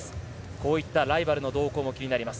こうしたライバルの動向も気になります。